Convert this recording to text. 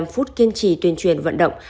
một mươi năm phút kiên trì tuyên truyền vận động